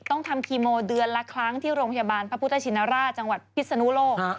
ต้องทำคีโมเดือนละครั้งที่โรงพยาบาลพระพุทธชินราชจังหวัดพิศนุโลก